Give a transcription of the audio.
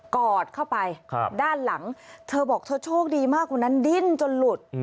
กอดเข้าไปด้านหลังเธอบอกเธอโชคดีมากวันนั้นดิ้นจนหลุด